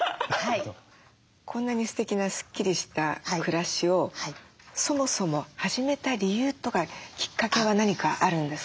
こんなにすてきなスッキリした暮らしをそもそも始めた理由とかきっかけは何かあるんですか？